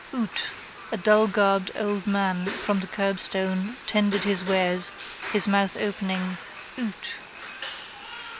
Oot: a dullgarbed old man from the curbstone tendered his wares, his mouth opening: oot.